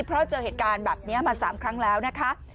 เพราะเจอเหตุการณ์แบบนี้มา๓ครั้งแล้วนะคะ